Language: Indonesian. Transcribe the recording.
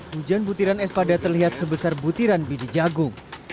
hujan butiran es pada terlihat sebesar butiran biji jagung